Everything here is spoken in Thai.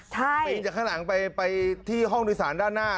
ปีนจากข้างหลังไปที่ห้องโดยสารด้านหน้า